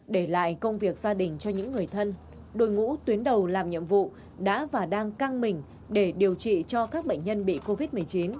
để lại công việc gia đình cho những người thân đội ngũ tuyến đầu làm nhiệm vụ đã và đang căng mình để điều trị cho các bệnh nhân bị covid một mươi chín